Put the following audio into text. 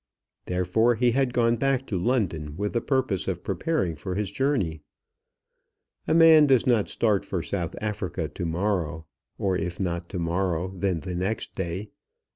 Therefore he had gone back to London with the purpose of preparing for his journey. A man does not start for South Africa to morrow, or, if not to morrow, then the next day.